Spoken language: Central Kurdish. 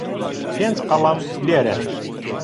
پێنج قەڵەم لێرەن.